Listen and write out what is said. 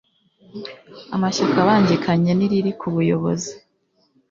amashyaka abangikanye n iriri ku buyobozi